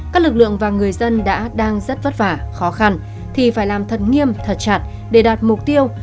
các lực lượng và người dân đã đang rất vất vả khó khăn thì phải làm thật nghiêm thật chặt để đạt mục tiêu